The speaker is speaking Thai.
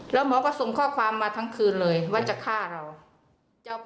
แล้วหมอก็ส่งข้อความมาทั้งคืนเลยว่าจะฆ่าเรา